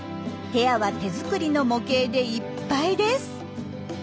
部屋は手作りの模型でいっぱいです。